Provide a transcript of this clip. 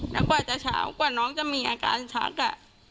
แล้วกว่าจะเช้ากว่าน้องจะมีอาการชัก